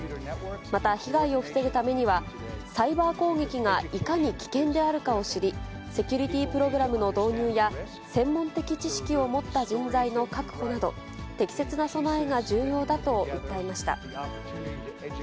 また、被害を防ぐためには、サイバー攻撃がいかに危険であるかを知り、セキュリティープログラムの導入や、専門的知識を持った人材の確保など、適切な備えが重要だと訴えました。